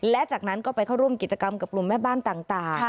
และจากนั้นก็ไปเข้าร่วมกิจกรรมกับกลุ่มแม่บ้านต่าง